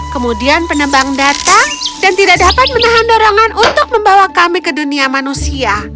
kemudian penebang datang dan tidak dapat menahan dorongan untuk membawa kami ke dunia manusia